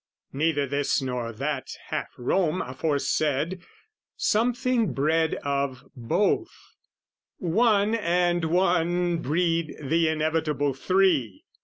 neither this nor that Half Rome aforesaid; something bred of both: One and one breed the inevitable three.